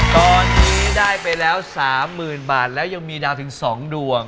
ตอนนี้ได้ไปแล้ว๓๐๐๐บาทแล้วยังมีดาวถึง๒ดวง